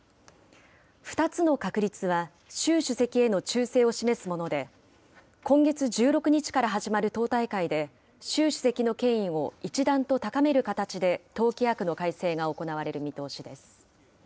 ２つの確立は、習主席への忠誠を示すもので、今月１６日から始まる党大会で、習主席の権威を一段と高める形で党規約の改正が行われる見通しです。